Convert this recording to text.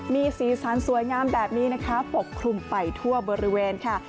มีสีสันสวยงามแบบนี้นะคะปกคลุมไปทั่วบริเวณค่ะ